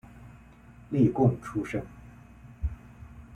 例贡出身。